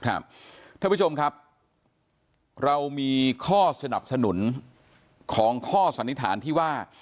ท่านผู้ชมครับเรามีข้อสนับสนุนของข้อสันนิษฐานที่ว่า